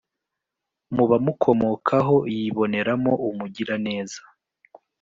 Mu bamukomokaho yiboneramo umugiraneza,